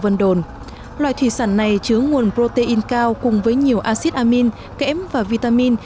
ngoài thủy sản này chứa nguồn protein cao cùng với nhiều acid amine kẽm và vitamin